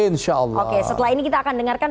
insya allah oke setelah ini kita akan dengarkan